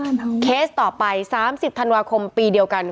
เคสต่อไป๓๐ธันวาคมปีเดียวกัน